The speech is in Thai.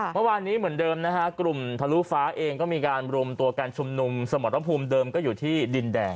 เมื่อวานนี้เหมือนเดิมนะฮะกลุ่มทะลุฟ้าเองก็มีการรวมตัวการชุมนุมสมรภูมิเดิมก็อยู่ที่ดินแดง